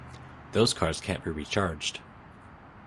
Those cards can't be re-charged.